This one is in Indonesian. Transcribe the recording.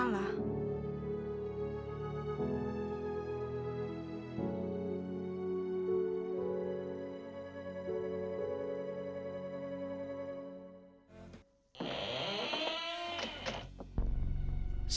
janganlah zumat orientasi